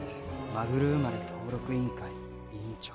「マグル生まれ登録委員会委員長」